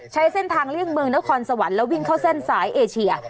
ใช้เส้นทางเลี่ยงเมืองนครสวรรค์แล้ววิ่งเข้าเส้นสายเอเชีย